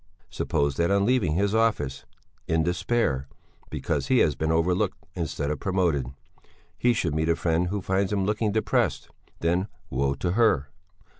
Supposing that on leaving his office, in despair because he has been overlooked instead of promoted, he should meet a friend who finds him looking depressed, then woe to her!